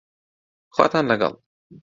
خواتان لەگەڵ